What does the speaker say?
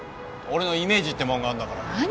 俺のイメージってもんがあるんだから何？